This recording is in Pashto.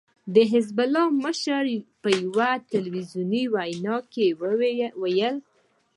د حزب الله مشر په يوه ټلويزیوني وينا کې ويلي